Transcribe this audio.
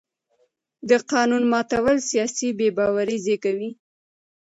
د قانون ماتول سیاسي بې باوري زېږوي